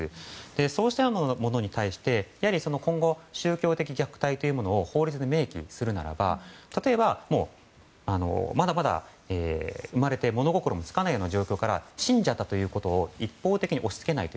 そうしたものに対して今後は宗教的虐待を法律で明記するなら例えば、まだまだ生まれて物心もつかないような状況から信者ということを一方的に押し付けない。